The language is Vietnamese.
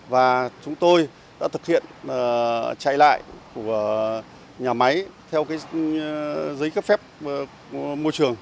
và chúng tôi đã thực hiện chạy lại của nhà máy theo cái giấy cấp phép môi trường